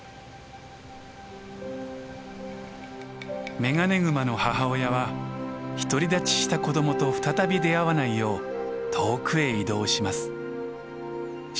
メガネグマの母親は独り立ちした子どもと再び出会わないよう遠くへ移動します。